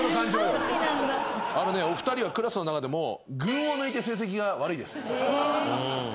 お二人はクラスの中でも群を抜いて成績が悪いです。